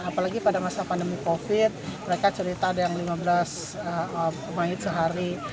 apalagi pada masa pandemi covid mereka cerita ada yang lima belas mayat sehari